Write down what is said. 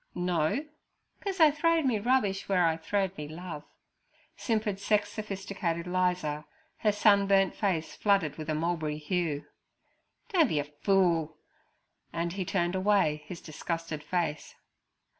'No.' ''Cause I throwed me rubbish ware I throwed me love' simpered sex sophisticated Liza, her sunburnt face flooded with a mulberry hue. 'Don't be a fool;' and he turned away his disgusted face.